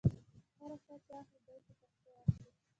هر ساه چې اخلو دې په پښتو اخلو.